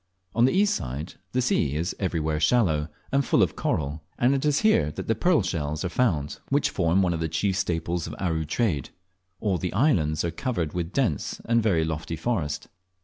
On the east side the sea is everywhere shallow, and full of coral; and it is here that the pearl shells are found which form one of the chief staples of Aru trade. All the islands are covered with a dense and very lofty forest.